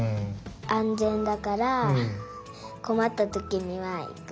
あんぜんだからこまったときにはいく。